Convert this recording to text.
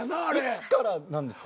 いつからなんですか？